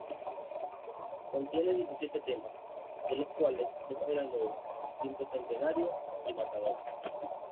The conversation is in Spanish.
Contiene diecisiete temas, de los cuales dos eran nuevos: "V Centenario" y "Matador".